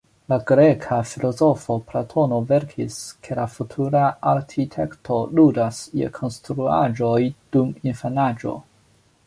La greka filozofo Platono verkis, ke la futura arkitekto ludas je konstruaĵoj dum infanaĝo.